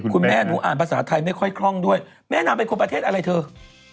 คุณแม่หนูอ่านภาษาไทยไม่ค่อยคล่องด้วยแม่นางเป็นคนประเทศอะไรเถอะ